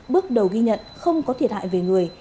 bước đầu ghi nhận không có thiệt hại về người